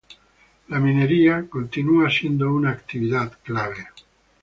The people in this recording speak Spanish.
La minería continúa siendo una actividad clave.